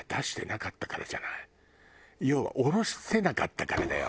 要は卸せなかったからだよ。